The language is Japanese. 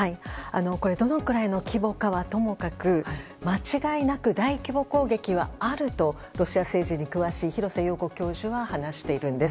これどのくらいの規模かはともかく間違いなく大規模攻撃はあるとロシア政治に詳しい廣瀬陽子教授は話しているんです。